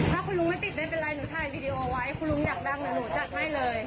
ถ้าคุณลุงไม่ติดไม่เป็นไรหนูถ่ายวีดีโอไว้คุณลุงอยากดังเดี๋ยวหนูจัดให้เลย